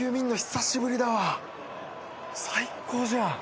最高じゃん。